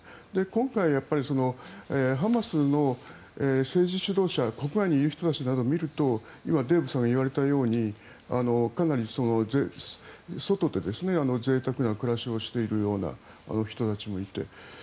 今回、ハマスの政治指導者国外にいる人たちなどを見ると今デーブさんが言われたようにかなり外で贅沢な暮らしをしているような人たちもいて。